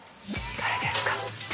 誰ですか？